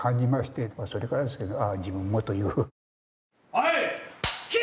はい！